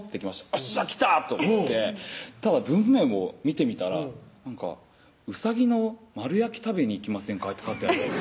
よっしゃきたと思ってただ文面を見てみたらなんか「うさぎの丸焼き食べに行きませんか？」って書いてあったんです